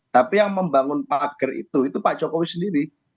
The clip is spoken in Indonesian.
tapi yang membangun pagar itu itu pak jokowi sendiri